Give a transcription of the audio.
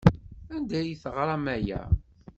Anda ay teɣram aya?